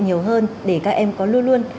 nhiều hơn để các em có luôn luôn